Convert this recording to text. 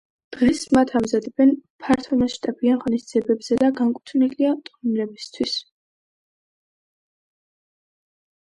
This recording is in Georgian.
დღეს მათ ამზადებენ ფართომასშტაბიან ღონისძიებებზე და განკუთვნილია ტურისტებისთვის.